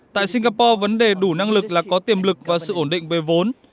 tại singapore vấn đề đủ năng lực là có tiềm lực và sự ổn định về vốn